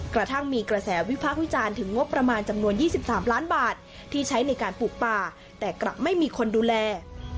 กระทั่งมีกระแสวิพากษ์วิจารณ์ถึงงบประมาณจำนวน๒๓ล้านบาทที่ใช้ในการปลูกป่าแต่กลับไม่มีคนดูแล